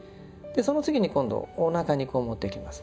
その時に今度おなかにこう持っていきます。